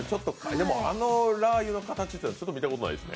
でも、あのラー油の形ってちょっと見たことないですね。